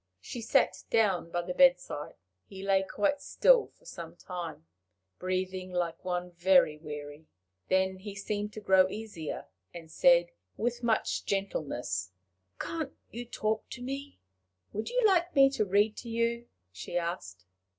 She sat down by the bedside. He lay quite still for some time, breathing like one very weary. Then he seemed to grow easier, and said, with much gentleness: "Can't you talk to me?" "Would you like me to read to you?" she asked.